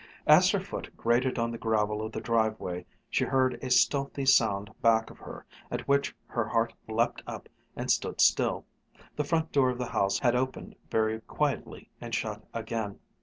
As her foot grated on the gravel of the driveway she heard a stealthy sound back of her, at which her heart leaped up and stood still. The front door of the house had opened very quietly and shut again.